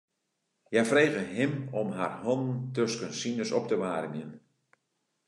Hja frege him om har hannen tusken sines op te waarmjen.